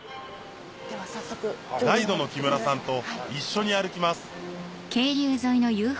ガイドの木村さんと一緒に歩きます